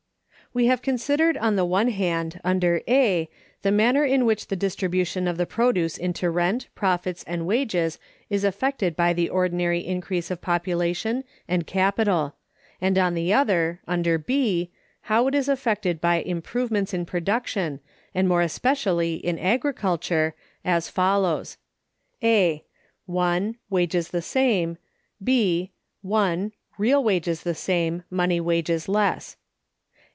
We have considered, on the one hand, under A, the manner in which the distribution of the produce into rent, profits, and wages is affected by the ordinary increase of Population and Capital; and on the other, under B, how it is affected by improvements in production, and more especially in agriculture, as follows: A. (1.) Wages the same. B. (1.) Real wages the same, money wages less.